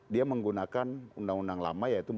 dia menggunakan undang undang lama yaitu empat puluh tahun